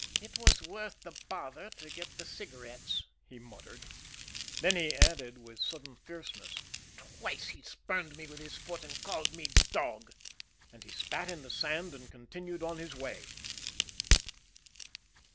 "It was worth the bother to get the cigarettes," he muttered. Then he added, with sudden fierceness: "Twice he spurned me with his foot, and called me 'dog'!" And he spat in the sand and continued on his way.